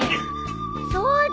そうだ！